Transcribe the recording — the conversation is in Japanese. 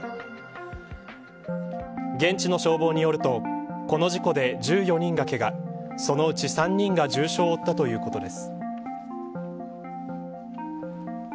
現地の消防によるとこの事故で１４人がけがそのうち３人が重傷を負ったということです。